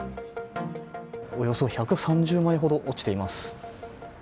およそ１３０枚ほど落ちています。